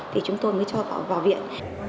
thì chúng tôi mới cho vào viện